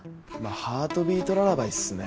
『ハートビートララバイ』っすね。